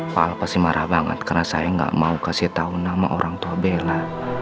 pak al pasti marah banget karena saya gak mau kasih tau nama orang tua bella